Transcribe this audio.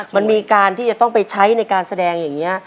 มันมีการที่จะต้องไปใช้ในการแสดงอย่างนี้